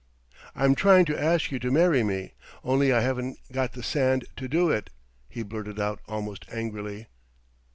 "I'm trying to ask you to marry me, only I haven't got the sand to do it," he blurted out almost angrily.